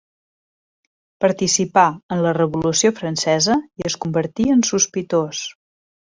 Participà en la Revolució Francesa i es convertí en sospitós.